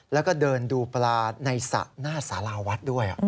แล้วก็เดินดูปลาในสระหน้าสาราวัดด้วย